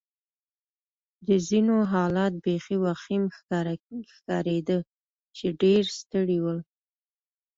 د ځینو حالت بېخي وخیم ښکارېده چې ډېر ستړي ول.